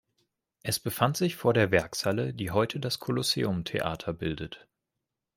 Es befand sich vor der Werkshalle, die heute das Colosseum Theater bildet.